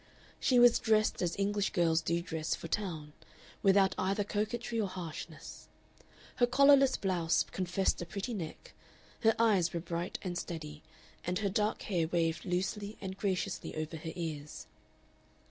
She was dressed as English girls do dress for town, without either coquetry or harshness: her collarless blouse confessed a pretty neck, her eyes were bright and steady, and her dark hair waved loosely and graciously over her ears....